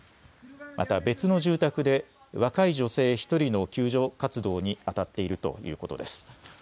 また別の住宅で若い女性１人の救助活動にあたっているということです。